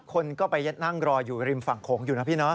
คนก็ไปนั่งรออยู่ริมฝั่งโขงอยู่นะพี่เนอ